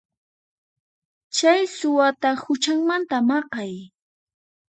Chay suwata huchanmanta maqay.